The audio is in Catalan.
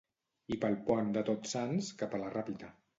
I pel pont de tots sants cap a la Ràpita